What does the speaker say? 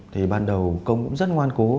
thì ban đầu công cũng rất ngoan cố